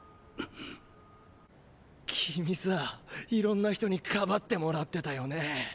君さいろんな人にかばってもらってたよねぇ。